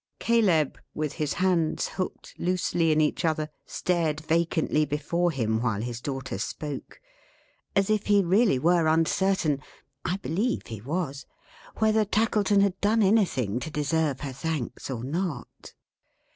Caleb, with his hands hooked loosely in each other, stared vacantly before him while his daughter spoke, as if he really were uncertain (I believe he was) whether Tackleton had done anything to deserve her thanks, or not.